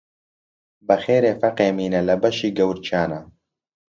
بە خێرێ فەقێ مینە لە بەشی گەورکیانە